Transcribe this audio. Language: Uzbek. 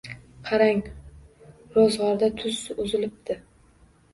– Qarang, ro‘zg‘orda tuz uzilibdi